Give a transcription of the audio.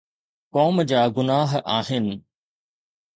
قوم جا گناهه آهن.